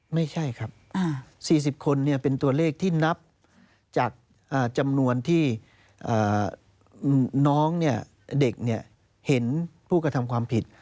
ไม่ใช่ครับสี่สิบคนเนี่ยเป็นตัวเลขที่นับจากจำนวนที่น้องเนี่ยเด็กเนี่ยเห็นผู้กระทำความผิด